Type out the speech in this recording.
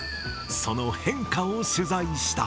その変化を取材した。